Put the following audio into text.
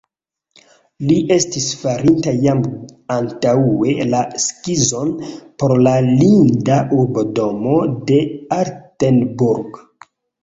Li estis farinta jam antaŭe la skizon por la linda urbodomo de Altenburg.